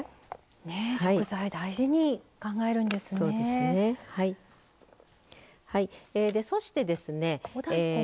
食材を大事に考えるんですね。